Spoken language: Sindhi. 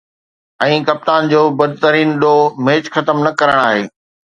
۽ ڪپتان جو بدترين ڏوهه“ ميچ ختم نه ڪرڻ آهي